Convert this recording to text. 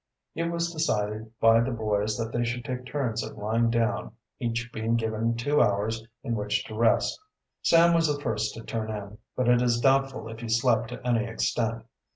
It was decided by the boys that they should take turns at lying down, each being given two hours in which to rest. Sam was the first to turn in, but it is doubtful if he slept to any extent.